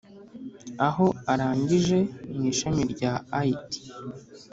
aho arangije mwishami rya it